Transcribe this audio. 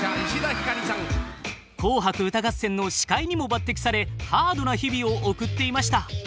「紅白歌合戦」の司会にも抜てきされハードな日々を送っていました。